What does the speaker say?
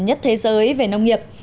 nhất thế giới về nông nghiệp